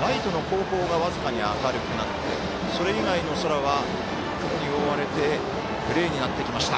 ライトの後方が僅かに明るくなってそれ以外の空は雲に覆われてグレーになってきました。